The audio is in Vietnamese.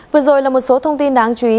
vừa rồi là một số thông tin đáng chú ý